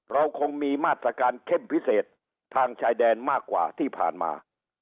เราคงมีมาตรการเข้มพิเศษทางชายแดนมากกว่าที่ผ่านมา